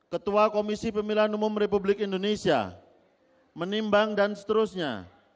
ketua komisi pemilihan umum republik indonesia menimbang dan seterusnya